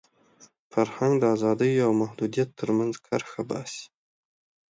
فرهنګ د ازادۍ او محدودیت تر منځ کرښه باسي.